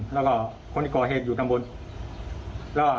เราดีคนมือการเปิดใจ